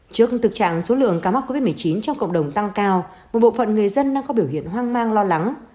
trước thực trạng số lượng ca mắc covid một mươi chín trong cộng đồng tăng cao một bộ phận người dân đang có biểu hiện hoang mang lo lắng